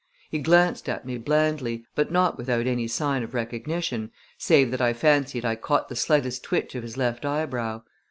He glanced at me blandly, but without any sign of recognition, save that I fancied I caught the slightest twitch of his left eyebrow.